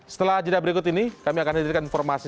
setelah ajadah berikut ini kami akan menyediakan informasi